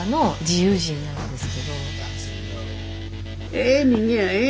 ええ人間やええ